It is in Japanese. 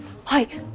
はい。